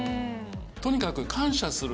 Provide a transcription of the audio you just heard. とにかく。